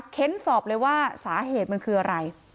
สอบเลยว่าสาเหตุมันคืออะไร